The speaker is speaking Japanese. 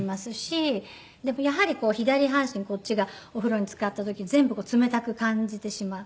でもやはり左半身こっちがお風呂につかった時全部冷たく感じてしまう。